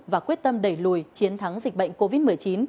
và quyết tâm đẩy lùi chiến thắng dịch bệnh covid một mươi chín